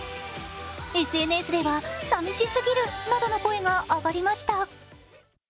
ＳＮＳでは、さみしすぎるなどの声が上がりました。